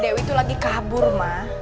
dewi tuh lagi kabur ma